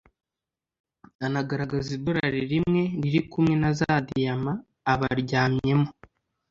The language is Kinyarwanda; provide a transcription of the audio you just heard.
Anagaragaza idolari rimwe riri kumwe na za diyama aba aryamyemo